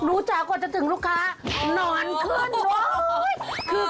รู้จักกว่าจะถึงลูกค้านอนขึ้นว่ะ